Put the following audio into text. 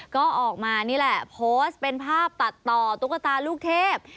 ก็ออกมานี่แหละโพสต์เป็นภาพตัดต่อตุ๊กตาลูกเทพ